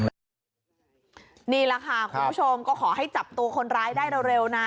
นี่แหละค่ะคุณผู้ชมก็ขอให้จับตัวคนร้ายได้เร็วนะ